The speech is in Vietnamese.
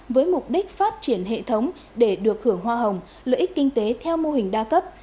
với mục đích phát triển hệ thống để được hưởng hoa hồng lợi ích kinh tế theo mô hình đa cấp